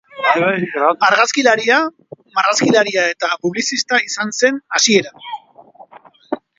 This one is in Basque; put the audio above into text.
Argazkilaria, marrazkilaria eta publizista izan zen hasieran.